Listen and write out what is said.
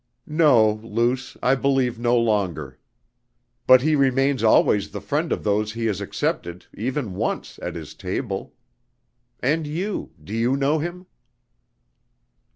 "No, Luce, I believe no longer. But he remains always the friend of those he has accepted, even once, at his table. And you, do you know him?"